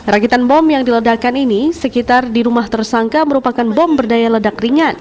ragitan bom yang diledakan ini sekitar di rumah tersangka merupakan bom berdaya ledak ringan